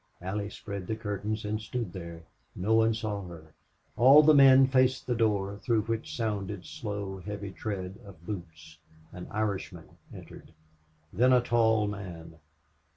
Allie spread the curtains and stood there. No one saw her. All the men faced the door through which sounded slow, heavy tread of boots. An Irishman entered. Then a tall man.